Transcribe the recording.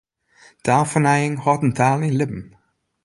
Taalfernijing hâldt in taal yn libben.